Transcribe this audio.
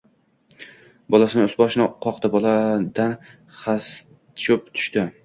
Bolasini ust-boshini qoqdi: boladan xas-cho‘p tushdi.